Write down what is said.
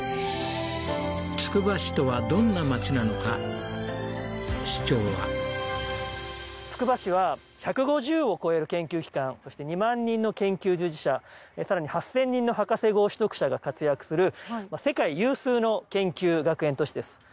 つくば市とはどんなまちなのか市長はつくば市は１５０を超える研究機関そして２万人の研究従事者更に８０００人の博士号取得者が活躍する世界有数の研究学園都市です